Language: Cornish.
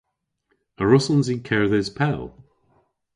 A wrussons i kerdhes pell?